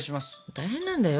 大変なんだよ